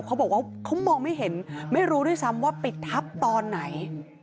เขาบอกว่าเขามองไม่เห็นไม่รู้ด้วยซ้ำว่าปิดทับตอนไหน